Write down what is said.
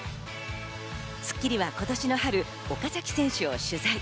『スッキリ』は今年の春、岡崎選手を取材。